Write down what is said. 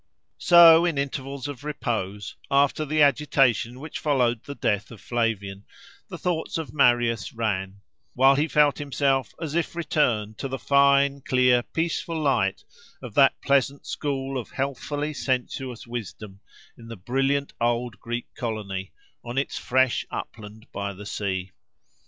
So, in intervals of repose, after the agitation which followed the death of Flavian, the thoughts of Marius ran, while he felt himself as if returned to the fine, clear, peaceful light of that pleasant school of healthfully sensuous wisdom, in the brilliant old Greek colony, on its fresh upland by the sea.